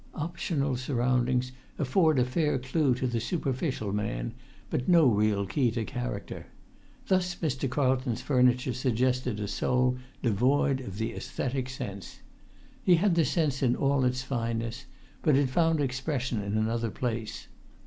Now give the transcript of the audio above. Optional surroundings afford a fair clue to the superficial man, but no real key to character; thus Mr. Carlton's furniture suggested a soul devoid of the æsthetic sense. He had the sense in all its fineness, but it found expression in another place.